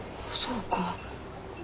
そうか。